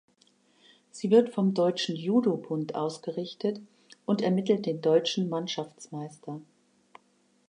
Sie wird vom Deutschen Judo-Bund ausgerichtet und ermittelt den deutschen Mannschaftsmeister.